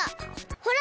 ほら！